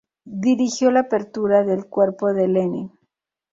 Dirigió la apertura del cuerpo de Lenin.